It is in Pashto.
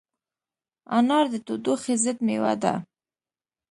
انار د تودوخې ضد مېوه ده.